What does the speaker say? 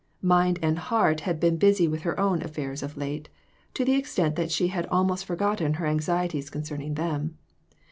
Mind and heart had been busy with her own affairs of late, to the extent that she had almost forgotten her anxieties concerning them.